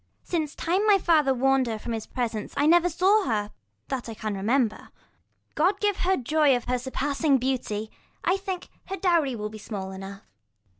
Since time my father warn'd her from his presence, 5 I never saw her, that I can remember. I God give her joy of her surpassing beauty ; I think, her dowry will be small enough. Gon.